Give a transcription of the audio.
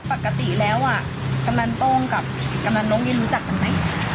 ปกติแล้วกำนันโต้งกับกำนันนกนี่รู้จักกันไหม